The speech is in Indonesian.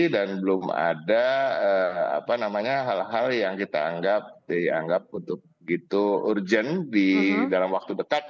dan belum ada hal hal yang kita anggap untuk urgent dalam waktu dekat